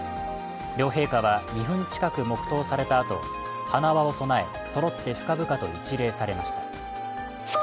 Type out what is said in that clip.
両陛下は２分近く黙とうされたあと花輪を供え、そろって深々と一礼されました。